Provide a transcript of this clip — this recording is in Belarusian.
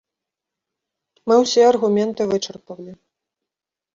Мы ўсе аргументы вычарпалі.